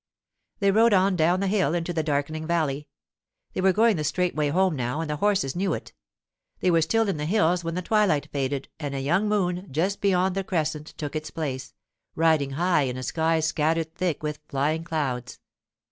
They rode on down the hill into the darkening valley. They were going the straight way home now, and the horses knew it. They were still in the hills when the twilight faded, and a young moon, just beyond the crescent, took its place, riding high in a sky scattered thick with flying clouds.